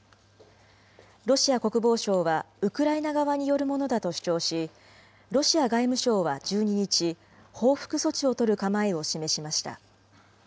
ロシア国防省はウクライナ側によるものだと主張し、ロシア外務省は１２日、報復措置を取る構えを示しました。